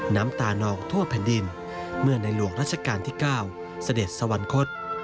น้ำตานองทั่วแผ่นดินเมื่อในหลวงรัชกาลที่๙เสด็จสวรรคต